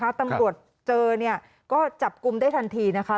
ถ้าตำรวจเจอก็จับกุมได้ทันทีนะคะ